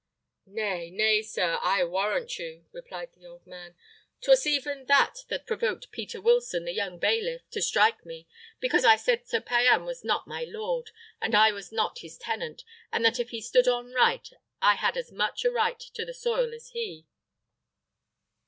"Nay, nay, sir, I warrant you," replied the old man; "'twas even that that provoked Peter Wilson, the young bailiff, to strike me, because I said Sir Payan was not my lord, and I was not his tenant, and that if he stood on right, I had as much a right to the soil as he."